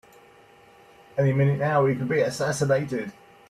Any minute now we could be assassinated!